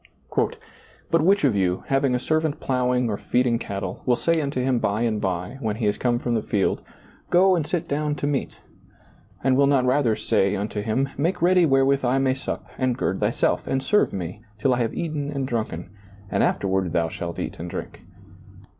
" But which of you, having ■ servant plowing or feeding cattle, will say unto him by and by, when he is come from the field. Go and sit down to meat? " And will not rather say unto htm, Make ready wherewith I may sup, and gird thyself, and serve me, till 1 have eaten and drunken; and afterward thoa shalt ea.t and drink?